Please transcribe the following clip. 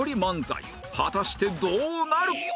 果たしてどうなる？